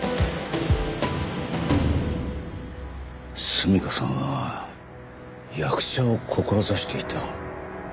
純夏さんは役者を志していた。